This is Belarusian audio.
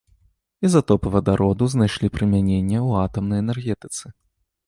Ізатопы вадароду знайшлі прымяненне ў атамнай энергетыцы.